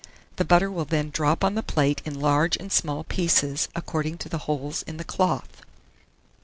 The butter will then drop on the plate in large and small pieces, according to the holes in the cloth.